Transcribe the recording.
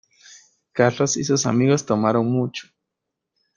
Carlos y sus amigos tomaron mucho.